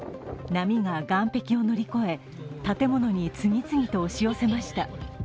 波が岩壁を乗り越え、建物に次々と押し寄せました。